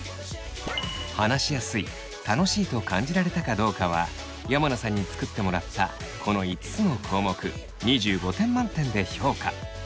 話しやすい楽しいと感じられたかどうかは山名さんに作ってもらったこの５つの項目２５点満点で評価。